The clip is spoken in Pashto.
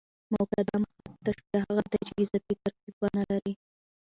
مؤکده محض تشبیه هغه ده، چي اضافي ترکیب و نه لري.